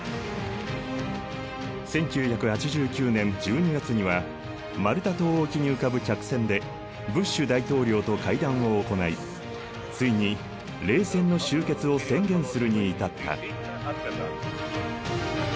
１９８９年１２月にはマルタ島沖に浮かぶ客船でブッシュ大統領と会談を行いついに冷戦の終結を宣言するに至った。